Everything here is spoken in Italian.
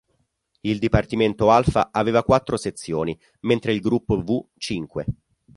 Il Dipartimento Alpha aveva quattro sezioni, mentre il Gruppo V cinque.